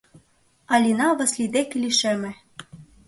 Алина Васлий деке лишеме.